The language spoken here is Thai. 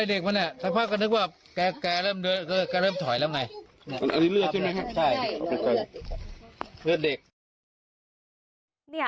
เอิ้นเด็กก็เริ่มถอยแล้วไง